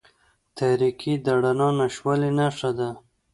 تاریکې د رڼا د نشتوالي نښه ده.